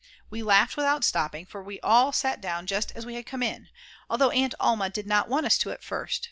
We laughed without stopping, for we had all sat down just as we had come in, although Aunt Alma did not want us to at first.